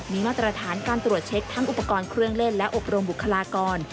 มีมาตรฐานการตรวจเช็คทั้งอุปกรณ์เครื่องเล่นและอบรมบุคลากร